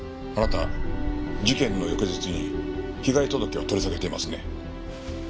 あなた事件の翌日に被害届を取り下げていますね？